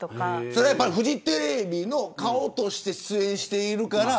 それはフジテレビの顔として出演しているから。